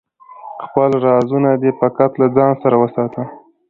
خپل رازونه دی فقط له ځانه سره وساته